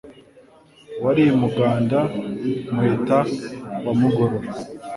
Wari i Muganda Muheta wa magorora,